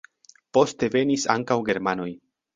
Poste venis ankaŭ germanoj.